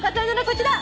こちら。